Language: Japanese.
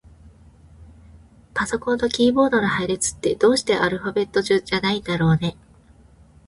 パソコンのキーボードの配列って、どうしてアルファベット順じゃないんだろうね。